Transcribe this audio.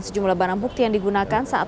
sejumlah barang bukti yang digunakan saat